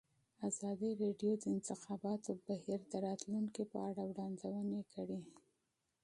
ازادي راډیو د د انتخاباتو بهیر د راتلونکې په اړه وړاندوینې کړې.